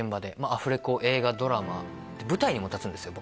アフレコ映画ドラマで舞台にも立つんですよ